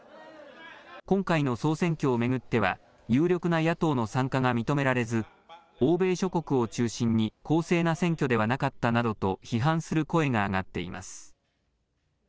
今回の総選挙を巡っては、有力な野党の参加が認められず、欧米諸国を中心に、公正な選挙ではなかったなどと批判する声が上がっています。